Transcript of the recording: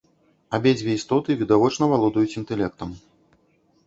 Абедзве істоты відавочна валодаюць інтэлектам.